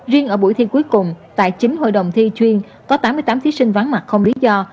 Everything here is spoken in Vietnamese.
riêng ở buổi thi cuối cùng tại chín hội đồng thi chuyên có tám mươi tám thí sinh vắng mặt không lý do